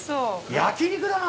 焼き肉だな。